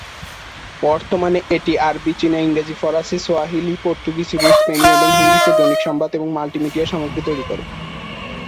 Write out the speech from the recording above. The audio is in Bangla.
বর্তমানে এটি আরবী, চীনা, ইংরেজি, ফরাসি, সোয়াহিলি, পর্তুগিজ, রুশ, স্পেনীয় এবং হিন্দিতে দৈনিক সংবাদ এবং মাল্টিমিডিয়া সামগ্রী তৈরি করে।